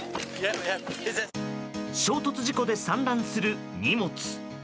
衝突事故で散乱する荷物。